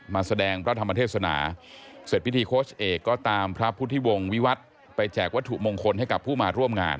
มาแสดงพระธรรมเทศนาเสร็จพิธีโค้ชเอกก็ตามพระพุทธิวงศ์วิวัฒน์ไปแจกวัตถุมงคลให้กับผู้มาร่วมงาน